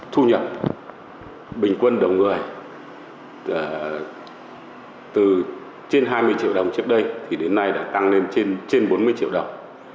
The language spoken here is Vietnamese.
thu nhập bình quân đầu người từ trên hai mươi triệu đồng trước đây thì đến nay đã tăng lên trên trên bốn mươi triệu đồng